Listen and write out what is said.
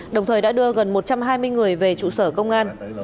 đồng thời đã đưa gần một trăm hai mươi người về trụ sở công an